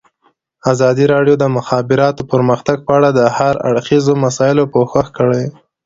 ازادي راډیو د د مخابراتو پرمختګ په اړه د هر اړخیزو مسایلو پوښښ کړی.